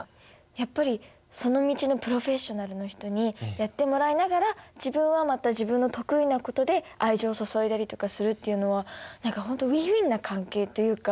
やっぱりその道のプロフェッショナルの人にやってもらいながら自分はまた自分の得意なことで愛情を注いだりとかするっていうのは何か本当ウィンウィンな関係というか。